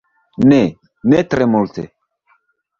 Ne, ne tre multe!